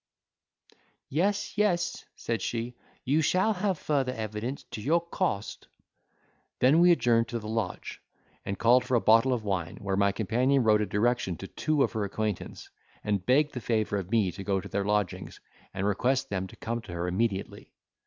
"Yes, yes," said she, "you shall have further evidence, to your cost." Then we adjourned into the lodge, and called for a bottle of wine, where my companion wrote a direction to two of her acquaintance, and begged the favour of me to go to their lodgings, and request them to come to her immediately.